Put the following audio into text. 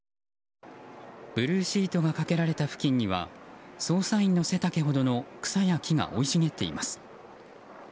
ブルーシートがかけられた付近には捜査員の背丈ほどの草や木が生い茂っています。